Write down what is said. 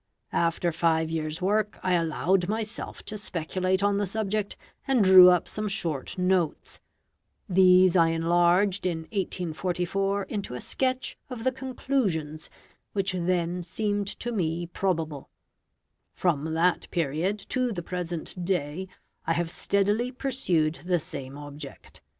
After five years' work I allowed myself to speculate on the subject, and drew up some short notes; these I enlarged in 1844 into a sketch of the conclusions which then seemed to me probable: from that period to the present day I have steadily pursued the same object.